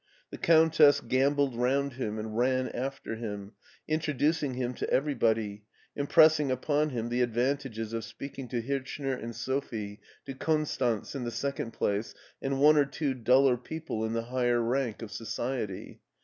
The Countess gambolled round him and ran after him, introducing him to everybody, impressing upon him the advantages of speaking to Hirchner and Sophie, to Konstanz in the second place, and one or two duller people in the higher rank of society.